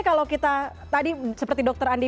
kalau kita tadi seperti dokter andi